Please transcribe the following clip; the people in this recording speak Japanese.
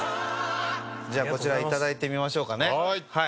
じゃあこちら頂いてみましょうかね。